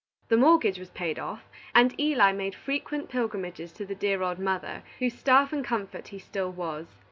The mortgage was paid off, and Eli made frequent pilgrimages to the dear old mother, whose staff and comfort he still was.